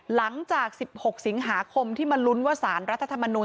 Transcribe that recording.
หลังจาก๑๖สิงหาคมที่มาลุ้นว่าสารรัฐธรรมนูล